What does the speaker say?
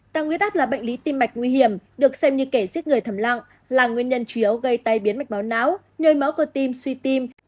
tăng huyết áp là bệnh lý tim mạch nguy hiểm được xem như kẻ giết người thầm lặng là nguyên nhân chủ yếu gây tai biến mạch máu não nhồi máu cơ tim suy tim